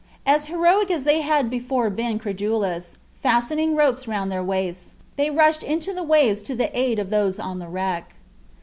As heroic as they had before been credulous, fastening ropes round their waists, they rushed into the waves to the aid of those on the wreck.